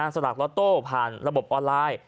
สลากล็อตโต้ผ่านระบบออนไลน์